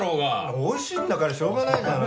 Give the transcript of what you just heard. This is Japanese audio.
おいしいんだからしようがないじゃない。